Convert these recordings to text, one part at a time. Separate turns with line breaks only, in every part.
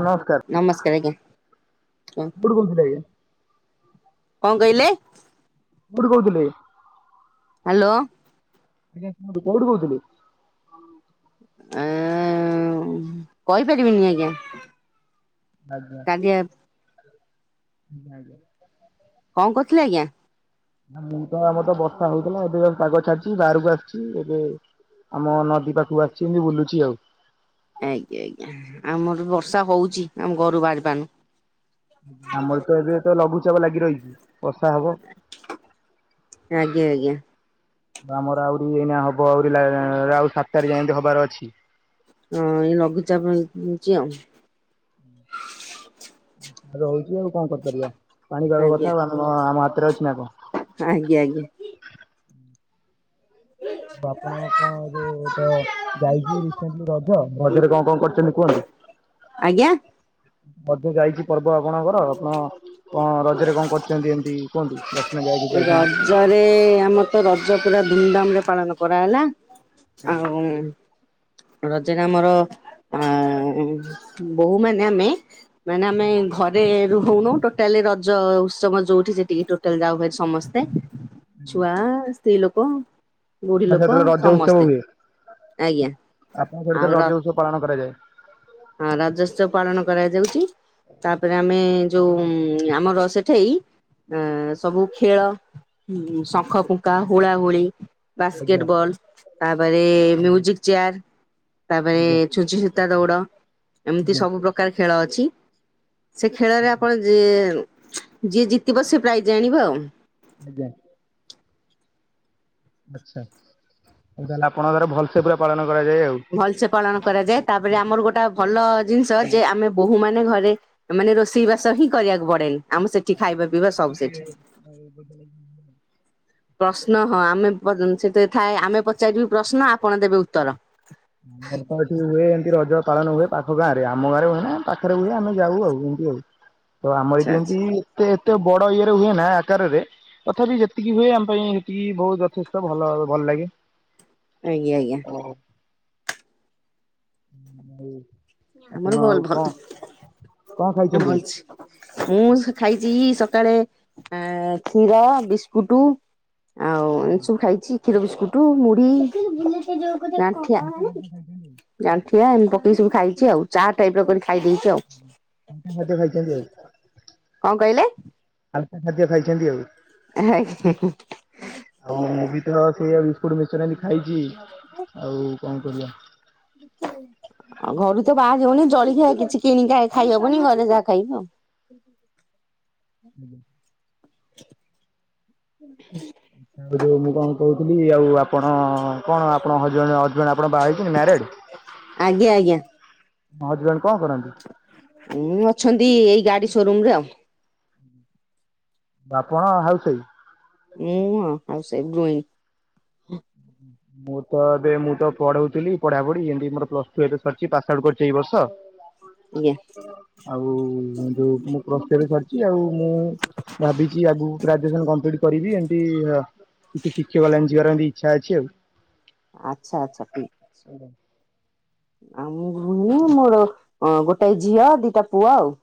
ନମସ୍କାର
ନମସ୍କାର ଆଜ୍ଞା।
କୋଉଠୁ କହୁଥିଲେ
କଣ କହିଲେ?
କୋଉଠି କହୁଥିଲେ?
ହାଲୋ
ଆଜ୍ଞା [unintelligible] କୋଉଠୁ କହୁଥିଲେ?
ଆ କହିପାରିବିନି, ଆଜ୍ଞା ।
ଆଜ୍ଞା
[unintelligible]
[unintelligible]
କଣ କରୁଥିଲେ ଆଜ୍ଞା?
ମୁଁ ତ ଆମର ତ ବର୍ଷା ହଉଥିଲା, ଏବେ ପାଗ ଛାଡିଛି, ବାହାରକୁ ଆସିଛି ଏବେ ଆମ ନଦୀ ପାଖକୁ ଆସିଛି, ଏମିତି ବୁଲୁଛି ଆଉ।
ଆଜ୍ଞା, ଆଜ୍ଞା, ଆମର ବର୍ଷା ହଉଛି ଆମ ଘରୁ ବାହାରିପାରୁନୁ।
ଆମର ତ ଏବେ ତ ଲଘୁଚାପ ଲାଗି ରହିଛି। ବର୍ଷା ହବ
ଆଜ୍ଞା ଆଜ୍ଞା ।
ଆମର ଆହୁରି ଏଇନା ହବ, ଆହୁରି ଆଉ ସାତତାରିଖ ଏମିତି ହବାର ଅଛି।
ହଁ ଏଇ ଲଘୁଚାପ ପାଇଁଛି [unintelligible] ଆଉ
ଆ ହଉଛି ଆଉ କଣ କରିପାରିବା, ପାଣି ପାଗ
ଆଜ୍ଞା
କଥା ଆମ ଆମ ହାତ
ଆଜ୍ଞା ଆଜ୍ଞା।
ଆପଣ କଣ [unintelligible] ରଜରେ କଣ କଣ କର--? ସେତି କୁହନ୍ତି,
ଆଜ୍ଞା
ମଧ୍ୟ ଯାଇଛି ପର୍ବ ଆପଣଙ୍କର ଆପଣ କଣ ରଜରେ କଣ କରିଛନ୍ତି ଏମିତି କୁହନ୍ତୁ? [unintelligible] ଯାଇ ଯାଇଛନ୍ତି?
[unintelligible] ରଜପୁରା ପାଳନ କରାଗଲା ଆଉ ରଜରେ ଆମର ଆ, ବୋହୂ ମାନେ ଆମେ ମାନେ ଆମେ ଘରେ ରହୁନୁ, ଟୋଟାଲ ରଜ ଉତ୍ସବ ଯୋଉଠି, ସେଠିକି ଟୋଟାଲ ଯାଉ ଭାରି ସମସ୍ତେ ଛୁଆ, ସ୍ତ୍ରୀ ଲୋକ, ବୁଢୀ
ଆ
ଲୋକ
ସେତେବେଳେ ରଜ ଉତ୍ସବ
ସମସ୍ତେ।
ହୁଏ
ଆଜ୍ଞା।
ଆପଣଙ୍କ ଆଡେତ
ଆଉ ର
ରଜ ଉତ୍ସବ ପାଳନ କରାଯାଏ।
ହଁ ରଜୋତ୍ସବ ପାଳନ କରାଯାଉଛି, ତାପରେ ଆମେ ଯୋଉ
ଆଜ୍ଞା
ଆମ ର ସେଠେଇ, ଆ ସବୁ ଖେଳ ଶଙ୍ଖ ଫୁଙ୍କା, ହୋଳାହୁଳି
ଆଜ୍ଞା
ବାସ୍କେଟବଲ ତାପରେ
ଆଜ୍ଞା
ମିୟୁଜିକ ଚେୟାର ତାପରେ
ଆଜ୍ଞା ଆଜ୍ଞା।
ଛୁଚି ସୂତା ଦୌଡ଼ ଏମିତି ସବୁ ପ୍ରକାର ଖେଳ ଅଛି, ସେ ଖେଳରେ ଆପଣ ଯିଏ ଯିଏ ଜିତିବ, ସେ ପ୍ରାଇଜ୍ ଆଣିବ ଆଉ
ଆଜ୍ଞା । ଆଛା ଉ ତାହେଲେ ଆପଣ ଧର ଭଲ ସେ ପୁରା ପାଳନ କରାଯାଏ ଆଉ।
ଭଲସେ ପାଳନ କରାଯାଏ, ତାପରେ ଆମର ଗୋଟେ ଭଲ ଜିନିଷ ଯେ -ଆମେ ବୋହୂ ମାନେ ଘରେ ମାନେ ରୋଷେଇ ବାସ ହିଁ କରିବାକୁ ପଡେନି ଆମ ସେଠି ଖାଇବା ପିଇବା ସବୁ ସେଠି।
[unintelligible]
ପ୍ରଶ୍ନ ହଁ ଆମେ ସେତେ ଥାଏ ଆମେ ପଚାରିବୁ ପ୍ରଶ୍ନ ଆପଣ ଦେବେ ଉତ୍ତର।
ପବ ଏଠି ହୁଏ ଏମିତି ରଜ ପାଳନ ହୁଏ। ପାଖ ଗାଁ ରେ ଆମ ଗାଁରେ ହୁଏ ନା ପାଖରେ ହୁଏ ଆମେ ଯାଉ ଆଉ ଏମତି ଆଉ ତ ଆମର
ଆଚ୍ଛା
ଏଠି
ଆଚ୍ଛା
ଏମିତି ଏତେ ଏତେ ବଡ ଇଏରେ ହୁଏ ନା ଆକାରରେ ତଥାପି ଯେତିକି ହୁଏ ଆମ ପାଇଁ ସେତିକି ବହୁତ ଯଥେଷ୍ଟ ଭଲ ଭଲ ଲାଗେ।
ଆଜ୍ଞା ଆଜ୍ଞା।
ହଁ ଆ।
ଆମର ଭଲ ଭଲ
କଣ ଖାଇଛନ୍ତି?
ଭଲଛି ମୁଁ ଖାଇଛି ସକାଳେ ଆ କ୍ଷୀର ବିସ୍କୁଟୁ ଆଉ ଏ ସବୁ ଖାଇଚି, କ୍ଷୀର ବିସ୍କୁଟୁ ମୁଢି ଗାଁଠିଆ ଗାଁଣ୍ଠିଆ ଏମିତି ପକେଇକି ସବୁ ଖାଇଚି ଆଉ ଚା ଟାଇପ ର ଖାଇ ଦେଇଚି ଆଉ,
ହାଲକା ଖାଦ୍ୟ ଖାଇଛନ୍ତି ଆଉ
କଣ କହିଲେ?
ଆ ଖାଦ୍ୟ ଖାଇଛନ୍ତି ଆଉ
ଆ ହା ହା
ହ ସେଇଆ ବିସ୍କୁଟ୍ ମିକ୍ସ୍ଚର୍ ଆଜି ଖାଇଚି ଆଉ କଣ କର
ଘରୁ ତ ବାହା ଜଳିଖିଆ କିଛି କିଣିକି ଖାଇ ଖାଇହବନି ଘରେ ଯାହା ଖାଇବ ଆ।
ଯୋଉ ମୁଁ କଣ କୋହୁଥିଲି ଆଉ ଆପଣ କଣ ଆପଣ ହଜ ହଜବେଣ୍ଡ ଆପଣ ବାହା ହେଇ ମାରେଡ୍?
ଆଜ୍ଞା ଆଜ୍ଞା।
ମତେ ଜ
ହଁ ଅଛନ୍ତି ଏଇ ଗାଡି ସୋରୁମ ରେ ଆଉ।
ଆପଣ ହଉସ୍ ୱଆଇଫ୍?
ହଁ ହାଉସ୍ ୱାଇଫ୍ [unintelligible]
ମୁଁ ତ ଏବେ ମୁଁ ତ ପଢଉଥିଲି ପଢା ପଢି ଏମିତି ମୋର ପ୍ଲସ ଟୁ ଏବେ ସରିଚି ପାସ ଆଉଟ କରିଚି ଏଇ ବର୍ଷ।
ଆଜ୍ଞା
ଆଉ ଉ ମୁଁ ପ୍ଲାସ ଥ୍ରୀ କରିଚି ଆଉ ମୁଁ ଭାବିଚି ଆଗ ଗ୍ରାଜୁଏସନ କମ୍ପଲିଟ କରିବି ଏମିତି କିଛି ଶିକ୍ଷକ ଲାଇନ୍ ଯିବାର ଇଚ୍ଛା ଅଛି ଆଉ।
ଆଚ୍ଛା ଆଚ୍ଛା ଠିକ ଅଛି।
ହ।
ଆ ମୁ ଭୂଣୀ ମୋର ଗୋଟାଏ ଝିଅ ଦିଇଟା ପୁଅ ଆଉ।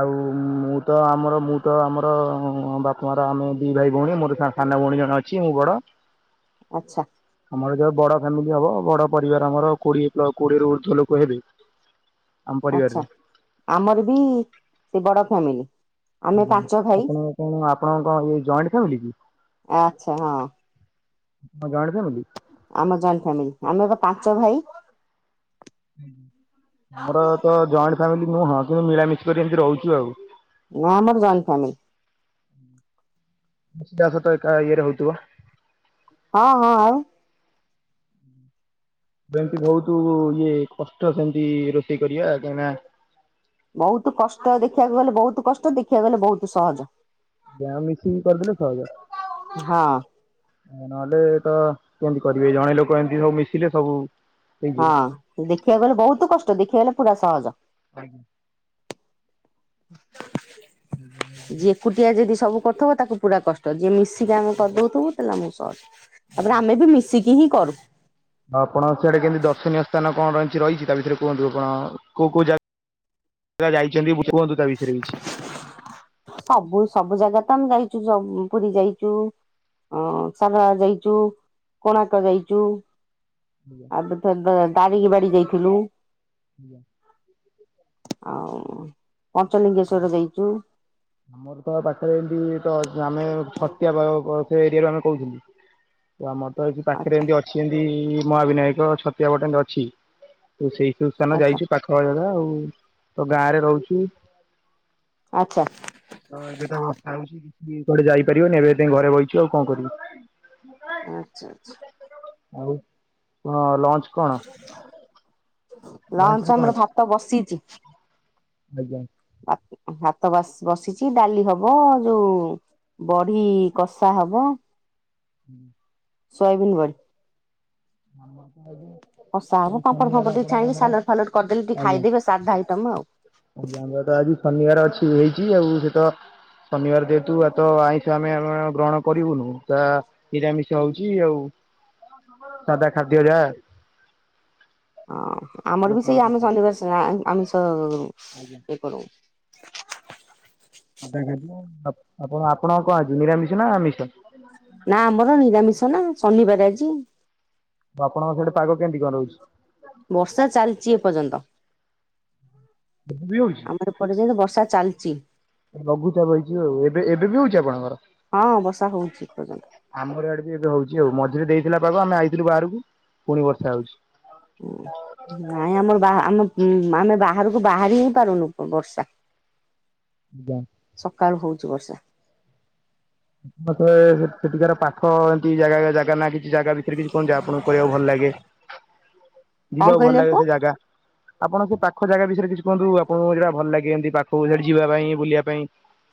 ଆଉ ମୁଁ ତ ଆମର ମୁଁ ତ ଆମର ବାପା ମା ର ଆମେ ଦି ଭାଇ ଭଉଣୀ ମୋର ସା ସାନ ଭଉଣୀ ଜଣେ ଅଛି, ମୁଁ ବଡ।
ଆଚ୍ଛା।
ଆମର ଯ ବଡ ଫ୍ୟାମିଲି ହବ ବଡ ପରିବାର ଆମର କୋଡିଏ କୋଡିଏ ର ଉର୍ଦ୍ଧ୍ୱ ଲୋକ ହେବେ ଆମ
ଆଛା
ପରିବାରରେ।
ଆମର ବି ସେ ବଡ ଫ୍ୟାମିଲି। ଆମେ
ଆଜ୍ଞା
ପାଞ୍ଚ ଭାଇ
ଆପଣ କଣ ଆପଣଙ୍କ ଇ ଜଏଣ୍ଟ୍ ଫାମିଲି କି?
ଆଚ୍ଛା ହଁ।
ଆଁ ଜଏଁଟ
ଆମ ଜଏଣ୍ଟ ଫ୍ୟାମିଲି ଆମେ ପା ପାଞ୍ଚ ଭାଇ।
ମୋର ତ ଜଏଣ୍ଟ୍ ଫାମିଲି ନୁହଁ କିନ୍ତୁ ମିଳାମିଶ କରି ଏମତି ରହୁଚୁ ଆଉ।
ନା ଆମର ଜଏଣ୍ଟ୍ ଫ୍ୟାମିଲ।
[unintelligible] ଏକା ହୋଉଥିବ।
ହଁ ହଁ ଆଉ।
ଏମତି ବୋହୁତ ଇଏ କଷ୍ଟ ସେମିତି ରୋଷେଇ କରିବା କାହି ନା
ବୋହୁତ କଷ୍ଟ ଦେଖିବାକୁ ଗଲେ ବୋହୁତ କଷ୍ଟ ଦେଖିବାକୁ ଗଲେ ବୋହୁତ ସହଜ
ଯ ମିଶିକି କରିଦେଲେ ସଇଲା
ହଁ
ନହେଲେ ତ କେମିତି କରିବି ଜଣେ ଲୋକ ହେଇଯିବ।
ହଁ ଦେଖିବାକୁ ଗଲେ ବହୁତ କଷ୍ଟ ଦେଖିବାକୁ ଗଲେ ପୁରା ସହଜ।
ଆଜ୍ଞା। ଆଜ୍ଞା ଆଜ୍ଞା
ଯିଏ ଏକୁଟିଆ ଯଦି ସବୁ କରୁଥବ ତାକୁ ପୁରା କଷ୍ଟ ଯିଏ ମିସି ଆମେ
ଆଜ୍ଞା
କରିଦଉଥିବୁ ତାହାଲେ ଆମକୁ ସହଜ ତାପରେ
ଆଜ୍ଞା।
ଆମେ ବି ମିଶିକି ହିଁ କରୁ।
ଆଉ ଆପଣ ସିଆଡେ କେମିତି ଦର୍ଶନୀୟ ସ୍ଥାନ କଣ ରିହିଚି ରହିଛି ତା ଭିତରେ କୁହନ୍ତୁ କଣ କୋଉ କୋଉ ଜାଗା ସିଏ ବା ଯାଇଛନ୍ତି ବୁ କୁହନ୍ତୁ ତା ବିଷୟରେ କିଛି?
ସବୁ ସବୁ ଜାଗା ତ ଆମେ ଯାଇଛୁ ପୁରୀ ଯାଇଛୁ ସାରଳା ଯାଇଚୁ କୋଣାର୍କ ଯାଇଚୁ।
ଆଜ୍ଞା
ଆ ଥରକ ଦରୀଙ୍ଗିବାଡି ଯାଇଥିଲୁ।
ଆଜ୍ଞା।
ଆଉ ପଞ୍ଚଲିଙ୍ଗେଶ୍ଵର ଯାଇଚୁ।
ଆମର ତ ପାଖରେ ଏମତି ତ ଆମେ ଛତିଆ ପା ପା ଏରିଆରେ ଆମେ କହୁଥିଲୁ । ତ ଆମର ତ ଏଇ ପାଖରେ
ଆଚ୍ଛା
ଏମତି ଅଛି ଏମତି ମହାବିନାୟକ ଛତିଆ ପଟ ଏମତି ଅଛି। ତୁ ସେଇଥି ସ୍ଥାନ
ଆଚ୍ଛା
ଯାଇଛୁ ପାଖାପାଖି ଜାଗା ଆଉ ତୋ ଗାଁରେ ରହୁଛୁ।
ଆଚ୍ଛା।
ଏବେତ ବର୍ଷା ହଉଛି କିଏ କୁଆଡେ ଯାଇପାରିବନି ଏବେ ସେଥିପାଇଁ ଘରେ ବସିଛୁ ଆଉ କଣ କରିବି।
ଆଚ୍ଛା ଆଚ୍ଛା
ଆଉ କଣ ଲଞ୍ଚ? କଣ? ଲଞ୍ଚରେ
ଲଞ୍ଚ
କଣ
ଆମର
ଅଛି?
ଭାତ ବସିଚି।
ଆଜ୍ଞା।
ଭାତ ବସିଛି ଡାଲି ହବ ଯୋଉ ବଡି କଷା ହବ।
ହୁଁ।
Soybean body.
[unintelligible]
ବର୍ଷା
ଏଇ
ହବ ପାମ୍ପଡ
ଶନିବାର
ଫାମ୍ପଡ ଟିକେ
ଆପଣ
ଛାଣିକି
ଆମର
ସାଲଟ ଫାଲାଟ କରିଦେଲେ ଟିକେ
ଆଜ୍ଞା
ଖାଇଦେବି ସାଧା ଆଇଟମ ଆଉ।
ଆଜ୍ଞା ଆମର ତ ଆଜି ଶନିବାର ଅଛି ହେଇଛି ଆଉ ସେ ତ ଶନିବାର ଯେହେତୁ ଆଜି ତ ଆଇଁଷ ଆମେ ଆମେ ଗ୍ରହଣ କରିବୁନୁ ତା ନିରାମିଷ ହଉଛି ଆଉ। ସାଧା ଖାଦ୍ୟ ଯାହା।
ହଁ ଆମର
ଆଉ
ବି
କଣ
ସେଇ ଆମେ
କଥା
ଶନିବାର ଆମିଷ
ଆଜ୍ଞା।
ଇଏ କରୁ।
ଆପଣ ଆପଣଙ୍କ କଣ ଅଛି ନିରାମିଷ ନା ଆମିଷ?
ନା ଆମର ନିରାମିଷ ନା ଶନିବାର ଆଜି।
ଆପଣଙ୍କ ସେଇଆଡେ ପାଗ କେମିତି କଣହଉଛି?
ବର୍ଷା ଚାଲିଛି ଏପର୍ଯ୍ୟନ୍ତ।
ଏବେ ବି ହଉଛି
ଆମର ପଯ୍ୟନ୍ତ ବର୍ଷା ଚାଲଚି।
ଲଘୁଚାପ ହେଇଛି ଆଉ ଏବେ ଏବେ ବି ହଉଛି
ହଁ ବର୍ଷା
ଆପଣଙ୍କର
ହଉଛି ଏପର୍ଯ୍ୟନ୍ତ
ଆମର ଇଆଡ଼େ ବେ ହଉଛି ଆଉ ମଝିରେ ଦେଇଥିଲା ପାଗ ଆମେ ଆଇଥିଲୁ ବାହାରକୁ ପୁଣି ବର୍ଷା ହଉଛି।
ନାହିଁ ଆମର ଆମ ଆମେ ବାହାରକୁ ବାହାରି ହିଁ ପାରୁନୁ ବର୍ଷା। ସକାଳୁ ହଉଚୁ ବର୍ଷା।
ସେଠିକାର ପାଖ ଏମିତି ଜାଗା ଜାଗା ନା କିଛି ଜାଗା ଭିତରେ କିଛି କଣ ଜାଗା ଆପଣଙ୍କୁ କହିବାକୁ ଭଲ ଲା ଗେ?
କଣ
ଯିବାକୁ ଭଲ
କହିଲେ
ଲାଗେ
ପୁଅ?
ସେ ଜାଗା? ଆପଣ ସେ ପାଖ ଜାଗା ବିଷୟରେ କିଛି କୁହନ୍ତୁ ଆପଣଙ୍କୁ ଯୋଉଟା ଭଲ ଲାଗେ ଏମତି ପାଖକୁ ସେଠି ଯିବା ପାଇଁ ବୁଲିବା ପାଇଁ?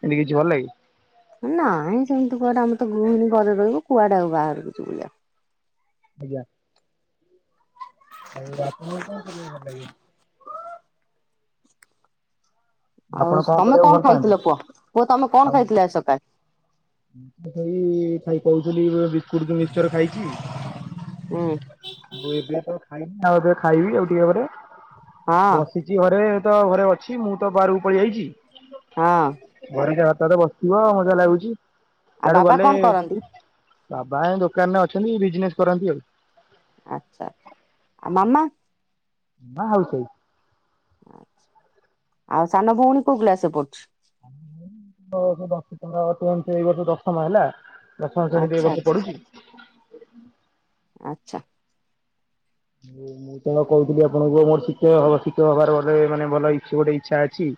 ଏମିତି କିଛି ଭଲ ଲାଗେ?
ନାଇଁ ସେମିତି କୁଆଡେ ଆମର ତ ଗୃହିଣୀ ଘରେ ରହିବୁ କୁଆଡେ ଆଉ ବାହାରକୁ ଯିବୁ?
ଆଜ୍ଞା। ଆଉ ଆପଣଙ୍କୁ କଣ କରିବାକୁ ଭଲ ଲାଗିବ?
ଆଉ ତମେ
ଭଲ
କଣ
ପାଆନ୍ତି?
ଖାଇଥିଲ କୁଅ କୁଅ ତମେ
ଆଉ
କଣ ଖାଇଥିଲ ଆଜି ସକାଳେ?
ସେଇ ଖାଇ କହୁଥିଲି ବିସ୍କୁଟ ମିଶ୍ଚର ଖାଇଛି
ହୁଁ
ଏବେ ତ ଖାଇନି। ଆଉ ଏବେ ଖାଇବି ଆଉ ଟିକେ ଘରେ
ହଁ
ବସିଛି ଘରେ। ତ ଘରେ ଅଛି ମୁଁ ତ ବାହାରକୁ ପଳେଇ ଆଇଛି।
ହଁ।
ତତେ ବସିଥିବ ଆଉ ମଜା ଲାଗୁଛି।
ଆଉ
ଇଆଡୁ
ବାବା
ଗଲେ
କଣ କରନ୍ତି?
ବାବା ଦୋକାନରେ ଅଛନ୍ତି ବିଜନେସ୍ କରନ୍ତି ଆଉ।
ଆଛା ଆଉ ମାମା?
ହଉଛି।
ଆଉ ସାନ ଭଉଣୀ କୋଉ କ୍ଲାସରେ ପଡୁଛି?
[unintelligible] ଏଇ ବର୍ଷ ଦଶମ ହେଲା।
ଆଚ୍ଛା
ଦଶହଜାର [unintelligible]
ଆଚ୍ଛା
ପଡୁଛି।
ଆଚ୍ଛା।
ମୁଁ ତଣ କହୁଥିଲି ଆପଣଙ୍କୁ ମୋର ଶିକ୍ଷ- ଶିକ୍ଷକ ହବାର ଗୋଟେ ମାନେ ଭଲ ଇ ଗୋଟେ ଇଚ୍ଛା ଅଛି।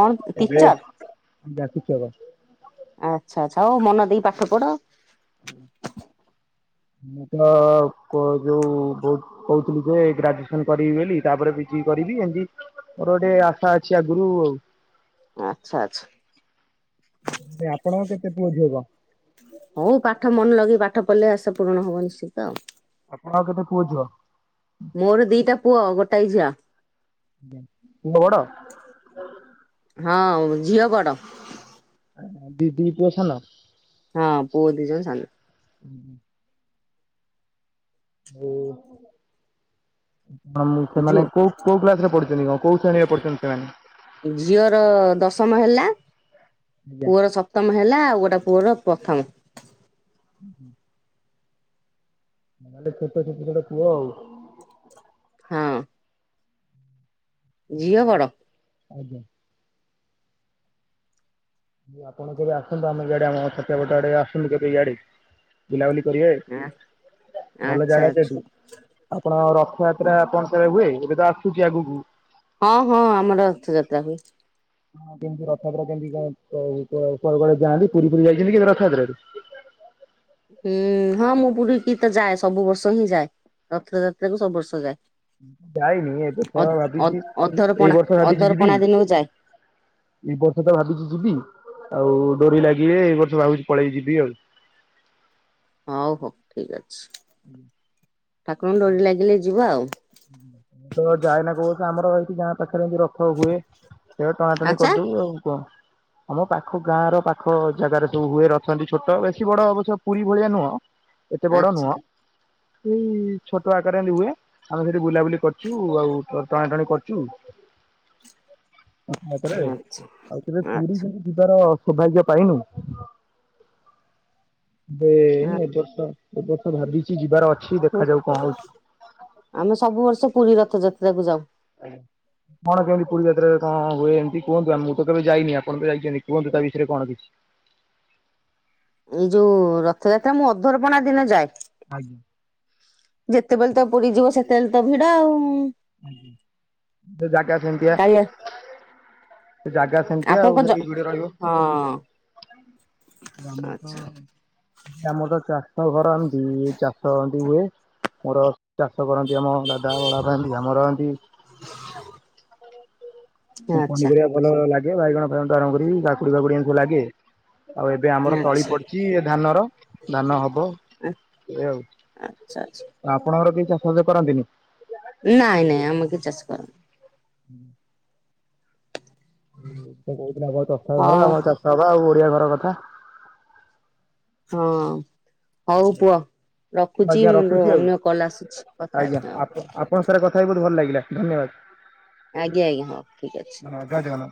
କଣ ଟିଚର?
ଯାଖିଚୋର।
ଆଚ୍ଛା ଆଚ୍ଛା ହଉ ମନ ଦେଇ ପାଠ ପଢ।
ହୁ ମୁଁ ତ କ ଯୋଉ କହୁ କହୁଥିଲି ଯେ ଗ୍ରାଜୁଏସନ କରିବି ବୋଲି ତାପରେ ପିଜି କରିବି ଏମିତି ମୋର ଗୋଟେ ଆଶା ଅଛି ଆଗରୁ ଆଉ।
ଆଚ୍ଛା ଆଚ୍ଛା।
ଆପଣଙ୍କ କେତେ ପୁଅ ଝିଅ କଣ?
ହଉ ପାଠ ମନ ଲଗେଇ ପାଠ ପଢ଼ିଲେ ଆସ ପୂରଣ ହବ ନିଶ୍ଚିତ ଆଉ।
ଆପଣ ଆଉ କେତେ ପୁଅଝିଅ?
ମୋର ଦିଟା ପୁଅ ଗୋଟାଏ ଝିଅ।
ପୁଅ ବଡ
ହଁ ଝିଅ ବଡ଼।
ଦିଇ ଦି [unintelligible] ନ
ହଁ ପୁଅ ଦିଇଜଣ ସାନ।
ହୁଁ ହୁଁ। [unintelligible]
ଝୁଅ
ସେମାନେ କୋଉ-କୋଉ କ୍ଲାସରେ ପଢୁଛନ୍ତି କଣ କୋଉ ଶ୍ରେଣୀରେ ପଢୁଛନ୍ତି ସେମାନେ?
ଝିଅର ଦଶମ ହେଲା।
ଆଜ୍ଞା
ପୁଅର ସପ୍ତମ ହେଲା ଆଉ ଗୋଟେ ପୁଅର ପ୍ରଥମ।
ହୁଁ ହୁଁ ତାହେଲେ ଛୋଟ ଛୋଟ ଜୋଡେ ପୁଅ ଆଉ।
ହଁ। ଝିଅ ବଡ।
ଆଜ୍ଞା ଆପଣ କେବେ ଆସନ୍ତୁ ଆମ ଇଆଡ଼େ ଆମ ଛତିଆ ପଟଆଡେ ଆସନ୍ତୁ କେବେ ଇଆଡେ ବୁଲାବୁଲି କରିବେ ଭଲ
ଆଚ୍ଛା
ଜାଗା ସେଠ
ଆଚ୍ଛା
ଆପଣ ରଥଯାତ୍ରା ଆପଣ ସିଆଡେ ହୁଏ? ଏବେ ତ ଆସୁଛି ଆଗକୁ।
ହଁ ହଁ ଆମର ରଥଯାତ୍ରା ହୁଏ।
ହଁ କେମତି ରଥଯାତ୍ରା କେମିତି [unintelligible] ଯାଆନ୍ତି ପୁରୀ ଫୁରୀ ଯାଇଛନ୍ତି କେବେ ରଥଯାତ୍ରାକୁ?
ଁ ହୁଁ ହଁ ମୁଁ ପୁରୀ କିି ତ ଯାଏ ସବୁ ବର୍ଷ ହିଁ ଯାଏ ରଥଯାତ୍ରାକୁ ସବୁ ବର୍ଷ ଯାଏ।
ଯାଇନି
ଅଧ
ଏବେଥର
ଅଧ
ଭାବିଛି ଏଇ
ଅଧରପଣା
ବର୍ଷ ଭାବିଛି ଯିବି।
ଅଧରପଣା ଦିନକୁ ଯାଏ
ଏଇ ବର୍ଷତ ଭାବିଛି ଯିବି ଆଉ ଡୋରି ଲାଗିବେ ଏଇ ବର୍ଷ ଭାବୁଛି ପଳେଇ ଯିବି ଆଉ।
ହଉ ହଉ ଠିକ ଅଛି ଠାକୁରଙ୍କ ଡୋରି ଲାଗିଲେ ଯିବା ଆଉ
ଆଜ୍ଞା ତ ଯାଇନା କହୁ ସେ ରହିଛିି ଯାହା ପାଖରେ ଏମିତି ରଥ ହୁଏ ସେ ଟଣା ଟଣି
ଆଚ୍ଛା
କରିଦବୁ ଆଉ କଣ? ଆମ ପାଖ ଗାଁ ର ପାଖ ଜାଗାରେ ସବୁ ହୁଏ ରଥ ଅଛନ୍ତି ଛୋଟ ବେଶୀ ବଡ ଅଛ ପୁରୀ ଭଳିଆ ନୁହଁ। ଏତେ ବଡ
ଆଚ୍ଛା
ନୁହଁ। ଏଇ ଛୋଟ ଆକାରରେ ଏମିତି ହୁଏ ଆମେ ସେଠି ବୁଲାବୁଲି କରିଛୁ ଆଉ ଟଣା ଟଣି କରୁଚୁ। ଆ ଆଉ ଥରେ
ଆଚ୍ଛା
ଆଉ ତବେ ପୁରୀ କେମତି ଯିବାର ସୌଭାଗ୍ୟ ପାଇନୁ ଏ
ଆଚ୍ଛା
ଏ ବର୍ଷ ଏବେ ତ ଭାବିଛି ଯିବାର ଅଛି
ହ
ଦେଖାଯାଉ କଣ ହଉଛି।
ଆମେ ସବୁ ବର୍ଷ ପୁରୀ ରଥଯାତ୍ରା କୁ ଯାଉ।
ହୁଁ କଣ କେମିତି ପୁରୀ ଯାତ୍ରାରେ କଣ ହୁଏ ଏମିତି କୁହନ୍ତୁ ମୁଁ ତ କେବେ ଯାଇନି ଆପଣ ତ ଯାଇଚନ୍ତି କୁହନ୍ତୁ ତା ବିଷୟରେ କଣ କିଛି
ଏଇ ଯୋଉ ରଥଯାତ୍ରା ମୁଁ ଅଧର୍ପଣା ଦିନ ଯାଏ।
ଆଜ୍ଞା।
ଯେତେବେଳେ ତ ପୁରୀ ଯିବ ସେତେବେଳେ ତ ଭିଡ ଆଉ।
ସେ ଜାଗା ସେମିତିଆ।
କାଳିଆ
ସେ ଜାଗା ସେମିତିଆ ଆଉ
ଆପଣଙ୍କ ଜ
ସେଠୀ ଯିଏ ରହିବ
ହଁ ଆଚ୍ଛା
ବାମ ତ
ଆଚ୍ଛା
ବାମ ତ ଚା ମୋ ଘର ଏମିତି ଚାଷ ଏମତି ହୁଏ। ମୋର ଚାଷ ବରାଦି କାମ ଦାଦା ବଡବାପା ଏମିତୀ ଗ୍ରାମର
ଆଚ୍ଛା।
ପନିପରିବା ଭଲ ଲାଗେ ବାଇଗଣ ଫାଇଗଣ ଠୁ ଆରମ୍ଭ କରି କାକୁଡି ଫାକୁଡି ଲାଗେ। ଆଉ ଏବେ ଆମର ତଳି
ଆଚ୍ଛା
ପଡିଚି ଧାନର ଧାନ ହବ ଏ ଆଉ
ଆଚ୍ଛା
ଆପଣଙ୍କର କେହି ଚାଷବାଷ କରନ୍ତିନି
ନାଇଁ ନାଇଁ ଆମ କେ ଚାଷ କରନ୍ତି
ହୁଁ ତ କହୁଥିଲ ଆମର ଦଶଟା ଘର
ହଉ
ଆମର [unintelligible] ଆଉ ବଡିଆ ଘର କଥା।
ହଁ ହଉ ପୁଅ।
ମୁଁ
ରଖୁଛି
ଆଜ୍ଞା
ମୋର
ରଖୁଛି ଆଉ
ଅନ୍ୟ କଲ୍ ଆସୁଛି କଥା
ଆଜ୍ଞା
ହେବି ଆଉ
ଆପ ଆପଣଙ୍କ ସାଙ୍ଗରେ କଥା ହେଇକି ବହୁତ ଭଲ ଲାଗିଲା। ଧନ୍ୟବାଦ।
ଆଜ୍ଞା ଆଜ୍ଞା ହଁ ଠିକ
ଧନ୍ୟବାଦ ଜୟ
ଅଛି।
ଜଗନ୍ନାଥ।